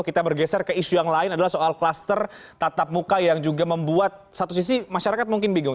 kita bergeser ke isu yang lain adalah soal kluster tatap muka yang juga membuat satu sisi masyarakat mungkin bingung